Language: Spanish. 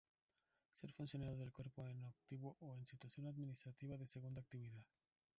Ser funcionario del Cuerpo en activo o en situación administrativa de segunda actividad.